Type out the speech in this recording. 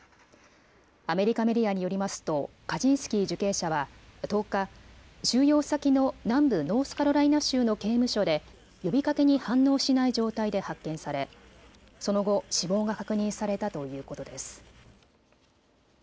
アメリカメディアによりますとカジンスキー受刑者は１０日、収容先の南部ノースカロライナ州の刑務所で呼びかけに反応しない状態で発見され、その後、死亡が確認されたということです。